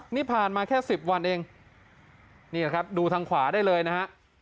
นี่ผ่านมาแค่สิบวันเองนี่แหละครับดูทางขวาได้เลยนะฮะ